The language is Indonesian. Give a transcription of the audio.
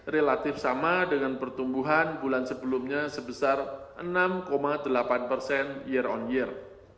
relatif sama dengan pertumbuhan bulan sebelumnya sebesar enam delapan persen year on year